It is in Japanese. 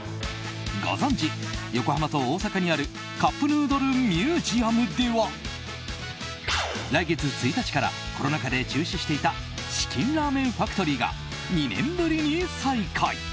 ご存じ、横浜と大阪にあるカップヌードルミュージアムでは来月１日からコロナ禍で中止していたチキンラーメンファクトリーが２年ぶりに再開。